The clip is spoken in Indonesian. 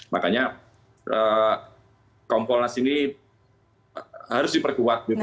makanya kompolnas ini harus diperkuat